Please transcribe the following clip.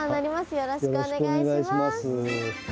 よろしくお願いします。